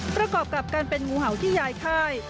ประกอบกับการเป็นงูเห่าที่ยายค่าย